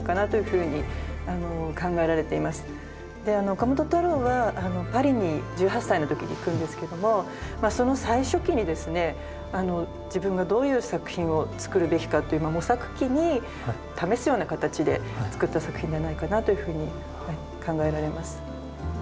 岡本太郎はパリに１８歳のときに行くんですけどもその最初期にですね自分がどういう作品を作るべきかという模索期に試すような形で作った作品ではないかなというふうに考えられます。